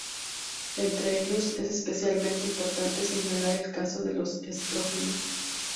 Entre ellos, es especialmente importante señalar el caso de los estrógenos.